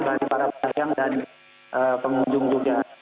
bagi para pedagang dan pengunjung juga